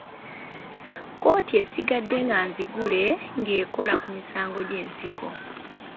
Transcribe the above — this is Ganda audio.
Kkooti esigadde nga nzigule ng'ekola ku misango egy'enkizo.